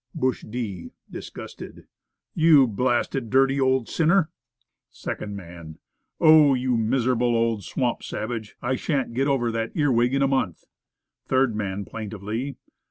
'" Bush D. (disgusted). "You blasted, dirty old sin ner." Second Man. "Oh, you miserable old swamp savage; I shan't get over that ear wig in a month." Third Man (plaintively).